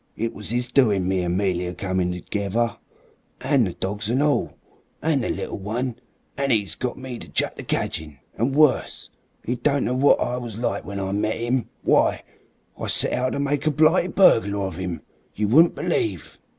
It was 'is doing me and 'Melia come together. An' the dogs an' all. An' the little one. An' 'e got me to chuck the cadgin'. An' worse. 'E don't know what I was like when I met 'im. Why, I set out to make a blighted burglar of 'im you wouldn't believe!"